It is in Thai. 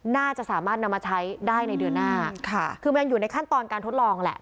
น่าจะสามารถนำมาใช้ได้ในเดือนหน้าค่ะคือมันอยู่ในขั้นตอนการทดลองแหละ